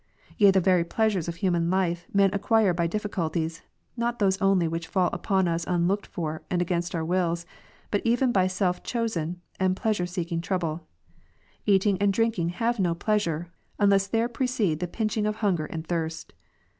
Yea, the very pleasures of human life men ac quire by difficulties, not those only Avhich fall upon us un looked for, and against our walls, but even by self chosen, and pleasure seeking trouble. Eating and drinking have no plea sure, unless there precede the pinching of hunger and thirst.